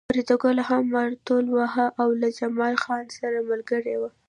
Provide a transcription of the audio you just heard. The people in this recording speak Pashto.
فریدګل هم مارتول واهه او له جمال خان سره ملګری و